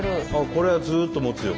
これはずっともつよ